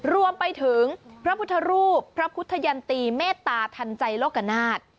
รวมไปถึงพระพุทธรูปพระพุทธยันตีเมตตาทันใจโลกนาฏ